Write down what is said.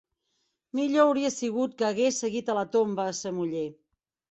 Millor hauria sigut que hagués seguit a la tomba a sa muller